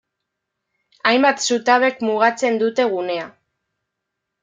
Hainbat zutabek mugatzen dute gunea.